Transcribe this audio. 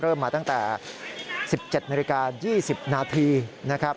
เริ่มมาตั้งแต่๑๗นาฬิกา๒๐นาทีนะครับ